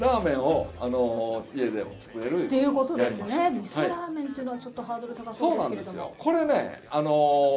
みそラーメンというのはちょっとハードル高そうですけれども。